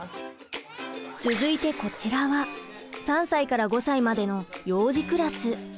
続いてこちらは３歳から５歳までの幼児クラス。